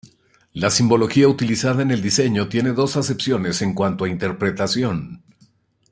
La simbología utilizada en el diseño tiene dos acepciones en cuanto a interpretación.